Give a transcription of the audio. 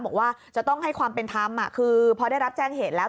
บอกว่าจะต้องให้ความเป็นธรรมคือพอได้รับแจ้งเหตุแล้ว